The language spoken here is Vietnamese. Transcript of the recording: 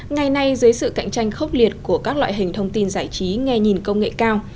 ngày nay dưới sự cạnh tranh khốc liệt của các loại hình thông tin giải trí nghe nhìn công nghệ cao